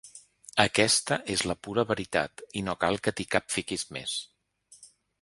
Aquesta és la pura veritat i no cal que t'hi capfiquis més.